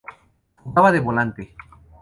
Jugaba de volante.